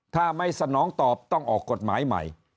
ถ้าไม่สนองตอบต้องออกกฎหมายใหม่